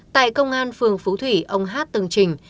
tại công an phường phú thủy ông hát từng trình